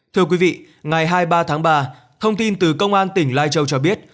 thưa quý vị ngày hai mươi ba tháng ba thông tin từ công an tỉnh lai châu cho biết